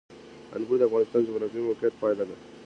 انګور د افغانستان د جغرافیایي موقیعت پایله ده.